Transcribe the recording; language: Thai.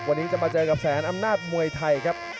วันนี้จะมาเจอกับแสนอำนาจมวยไทยครับ